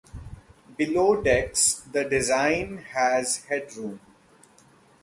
Below decks the design has headroom.